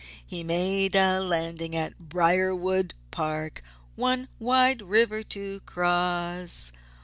He made a landing at Briarwood Park One wide river to cross!